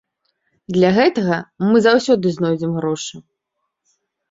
Для гэтага мы заўсёды знойдзем грошы.